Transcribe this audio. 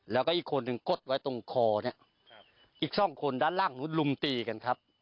แล้วก็อีกคนหนึ่งกดไว้ตรงคอเนี่ยอีกสองคนด้านล่างนู้นลุมตีกันครับ